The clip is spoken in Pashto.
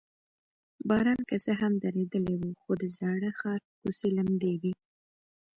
باران که څه هم درېدلی و، خو د زاړه ښار کوڅې لمدې وې.